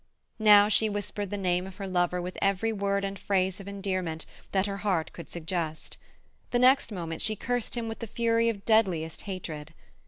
Now she whispered the name of her lover with every word and phrase of endearment that her heart could suggest; the next moment she cursed him with the fury of deadliest hatred.